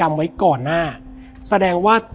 แล้วสักครั้งหนึ่งเขารู้สึกอึดอัดที่หน้าอก